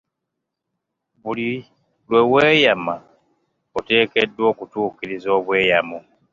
Buli lwe weyama oteekeddwa okutuukiriza obweyamo.